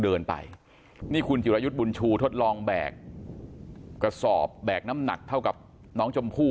เดินไปนี่คุณจิรายุทธ์บุญชูทดลองแบกกระสอบแบกน้ำหนักเท่ากับน้องชมพู่